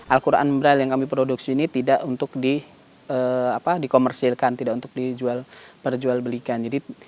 al quran braille yang kami produksi ini tidak untuk dikomersilkan tidak untuk dijual belikan